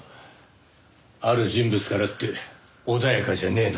「ある人物から」って穏やかじゃねえな。